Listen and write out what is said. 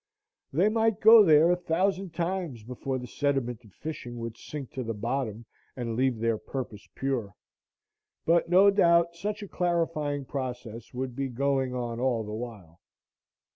They might go there a thousand times before the sediment of fishing would sink to the bottom and leave their purpose pure; but no doubt such a clarifying process would be going on all the while.